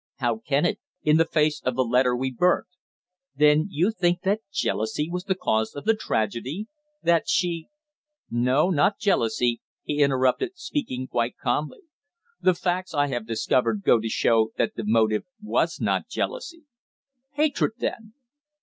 "How can it, in the face of the letter we burnt?" "Then you think that jealousy was the cause of the tragedy? That she " "No, not jealousy," he interrupted, speaking quite calmly. "The facts I have discovered go to show that the motive was not jealousy." "Hatred, then?"